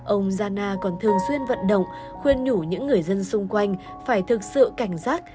ông zhana còn thường xuyên vận động khuyên nhủ những người dân xung quanh phải thực sự cảnh giác